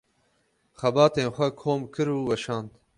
Xebatên xwe kom kir û weşand.